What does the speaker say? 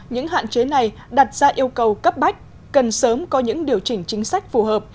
những hạn chế này đặt ra yêu cầu cấp bách cần sớm có những điều chỉnh chính sách phù hợp